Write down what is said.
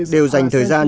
đều dành thời gian